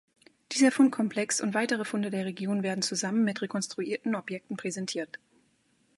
Dieser Fundkomplex und weitere Funde der Region werden zusammen mit rekonstruierten Objekten präsentiert.